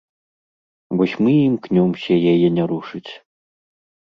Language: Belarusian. Вось мы і імкнёмся яе не рушыць.